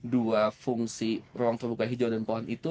dua fungsi ruang terbuka hijau dan pohon itu